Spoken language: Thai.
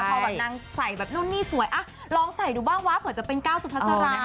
พอแบบนางใส่แบบนู่นนี่สวยลองใส่ดูบ้างวะเผื่อจะเป็นก้าวสุภาษารา